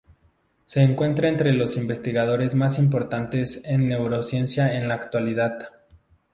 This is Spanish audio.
Se encuentra entre los investigadores más importantes en neurociencia en la actualidad.